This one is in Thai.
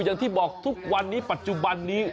อย่างที่บอกทุกวันนี้ปัจจุบันนี้